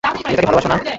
তুমি তাকে ভালোবাসো না?